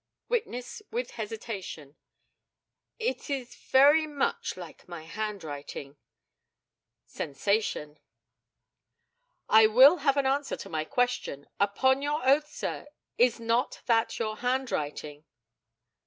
Witness (with hesitation): It is very much like my handwriting [sensation]. I will have an answer to my question. Upon your oath, sir, is not that your handwriting?